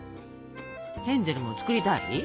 ヘンゼルも作りたい？